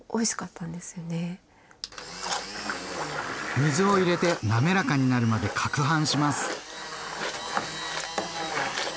水を入れて滑らかになるまでかくはんします。